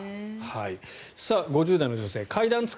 ５０代の女性です。